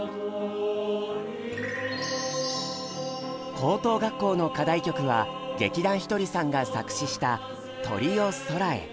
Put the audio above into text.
高等学校の課題曲は劇団ひとりさんが作詞した「鳥よ空へ」。